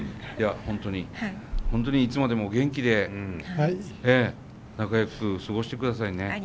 いや本当に本当にいつまでもお元気で仲よく過ごしてくださいね。